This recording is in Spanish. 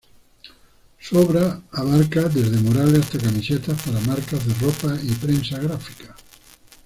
Su obra abarca desde murales hasta camisetas para marcas de ropa y prensa gráfica.